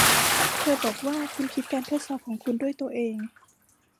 เธอบอกว่าคุณคิดการทดสอบของคุณด้วยตัวเอง